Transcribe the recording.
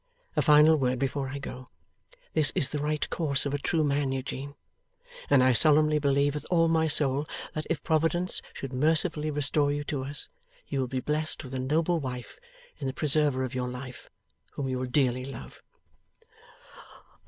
A final word before I go. This is the right course of a true man, Eugene. And I solemnly believe, with all my soul, that if Providence should mercifully restore you to us, you will be blessed with a noble wife in the preserver of your life, whom you will dearly love.